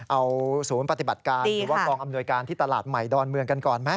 เอาศูนย์ปฏิบัติการหรือว่ากองอำนวยการที่ตลาดใหม่ดอนเมืองกันก่อนไหม